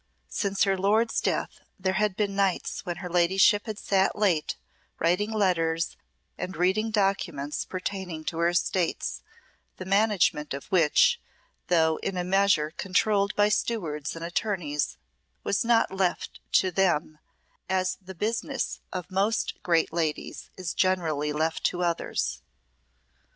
Since her lord's death there had been nights when her ladyship had sat late writing letters and reading documents pertaining to her estates, the management of which, though in a measure controlled by stewards and attorneys, was not left to them, as the business of most great ladies is generally left to others.